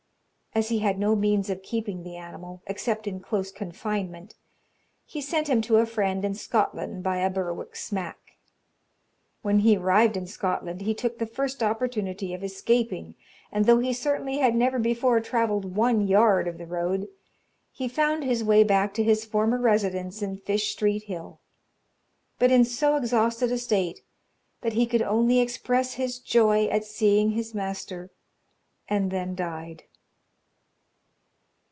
As he had no means of keeping the animal, except in close confinement, he sent him to a friend in Scotland by a Berwick smack. When he arrived in Scotland he took the first opportunity of escaping, and though he certainly had never before travelled one yard of the road, he found his way back to his former residence on Fishstreet Hill; but in so exhausted a state, that he could only express his joy at seeing his master, and then died.